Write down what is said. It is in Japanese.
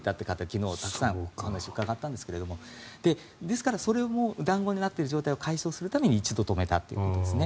昨日、たくさんお話を伺ったんですがですから、それも団子になっている状態を解消するために一度止めたということですね。